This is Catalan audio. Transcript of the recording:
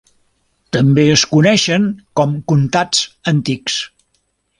També es coneixen com "comtats antics".